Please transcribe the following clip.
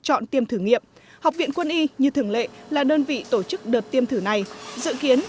chọn tiêm thử nghiệm học viện quân y như thường lệ là đơn vị tổ chức đợt tiêm thử này dự kiến